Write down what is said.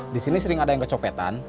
di sini sering ada yang kecopetan